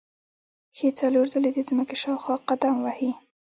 پښې څلور ځلې د ځمکې شاوخوا قدم وهي.